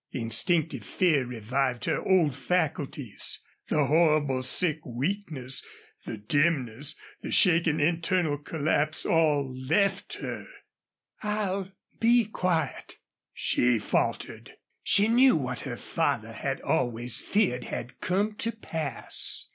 Instinctive fear revived her old faculties. The horrible sick weakness, the dimness, the shaking internal collapse all left her. "I'll be quiet!" she faltered. She knew what her father had always feared had come to pass.